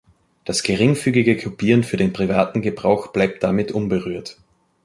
Das geringfügige Kopieren für den privaten Gebrauch bleibt damit unberührt.